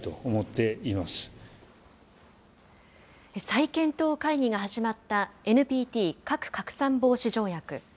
再検討会議が始まったＮＰＴ・核拡散防止条約。